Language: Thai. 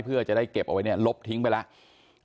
เพื่อจะได้เก็บเอาไว้เนี่ยลบทิ้งไปแล้ว